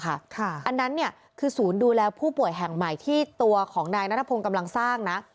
อันนั้นคือศูนย์ดูแลผู้ป่วยแห่งใหม่ที่ตัวของนายนัทพงศ์กำลังสร้างนะ